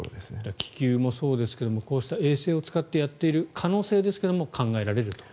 気球もそうですがこうした衛星を使っているということも可能性ですけども考えられると。